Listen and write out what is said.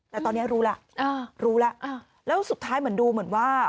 แต่ตอนนี้รู้แล้วรู้แล้วแล้วสุดท้ายเหมือนดูเหมือนว่า